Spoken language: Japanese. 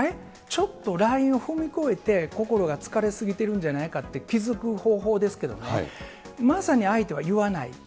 ちょっとライン踏み越えて、心が疲れ過ぎてるんじゃないかって気付く方法ですけどね、まさに相手は言わない。